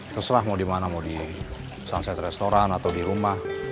terserah mau di mana mau di sunset restaurant atau di rumah